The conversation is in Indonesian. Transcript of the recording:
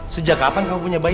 sejak kapan kau punya bayi